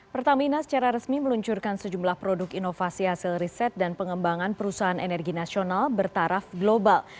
pertamina secara resmi meluncurkan sejumlah produk inovasi hasil riset dan pengembangan perusahaan energi nasional bertaraf global